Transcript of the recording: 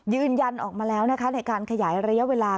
ยืนยันออกมาแล้วนะคะในการขยายระยะเวลา